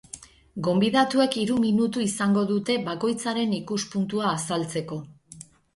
Gonbidatuek hiru minutuizango dute bakoitzaren ikuspuntua azaltzeko.